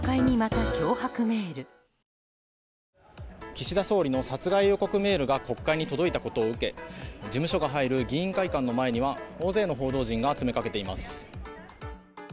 岸田総理の殺害予告メールが国会に届いたことを受け事務所が入る議員会館の前には大勢の報道陣が詰めかけています。